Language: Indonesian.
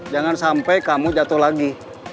jangan sampai kamu jatuh lagi